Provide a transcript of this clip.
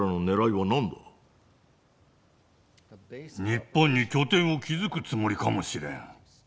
日本に拠点を築くつもりかもしれん。